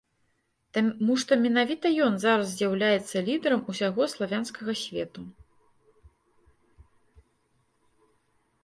Таму што менавіта ён зараз з'яўляецца лідэрам усяго славянскага свету.